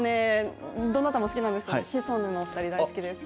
どなたも好きなんですけど、シソンヌのお二人、大好きです。